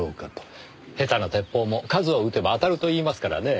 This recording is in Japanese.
下手な鉄砲も数を撃てば当たると言いますからね。